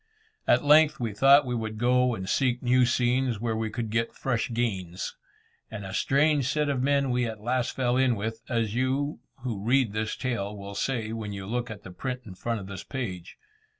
At length we thought we would go and seek new scenes where we could get fresh gains. And a strange set of men we at last fell in with, as you who read this tale will say when you look at the print in front of this page.